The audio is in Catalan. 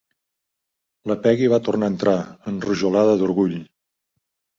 La Peggy va tornar a entrar, enrojolada d'orgull.